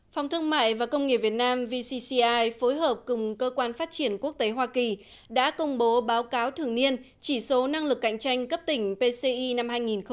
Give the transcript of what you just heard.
phòng thương mại và công nghiệp việt nam vcci phối hợp cùng cơ quan phát triển quốc tế hoa kỳ đã công bố báo cáo thường niên chỉ số năng lực cạnh tranh cấp tỉnh pci năm hai nghìn một mươi chín